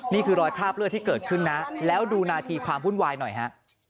นี่คือรอยคราบเลือดที่เกิดขึ้นนะแล้วดูนาทีความวุ่นวายหน่อยฮะ